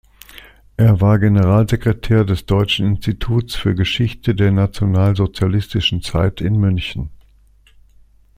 Er war Generalsekretär des Deutschen Instituts für Geschichte der nationalsozialistischen Zeit in München.